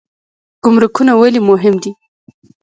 ګمرکونه ولې مهم دي؟